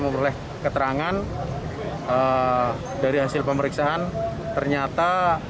memperoleh keterangan dari hasil pemeriksaan ternyata